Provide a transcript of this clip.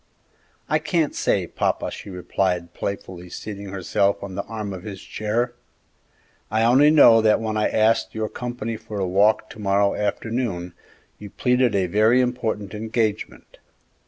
"I can't say, papa," she replied, playfully seating herself on the arm of his chair; "I only know that when I asked your company for a walk to morrow afternoon, you pleaded a very important engagement.